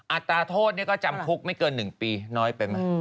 อัตราโทษก็จำคุกไม่เกิน๑ปีน้อยไปไหม